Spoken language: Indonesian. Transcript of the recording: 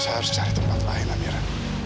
saya harus cari tempat lain amira